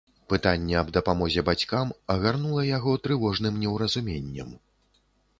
Пытанне аб дапамозе бацькам агарнула яго трывожным неўразуменнем.